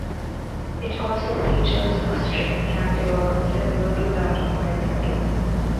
It also features a string grandeur similar to that of Hybrid.